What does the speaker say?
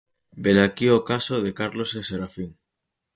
Velaquí o caso de Carlos e Serafín...